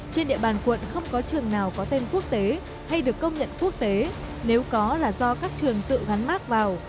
trên địa bàn quận không có trường nào có tên quốc tế hay được công nhận quốc tế nếu có là do các trường tự gắn mát vào